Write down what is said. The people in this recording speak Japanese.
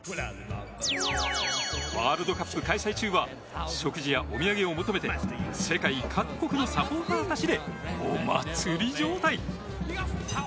ワールドカップ開催中は食事やお土産を求めて世界各国のサポーターたちでお祭り状態。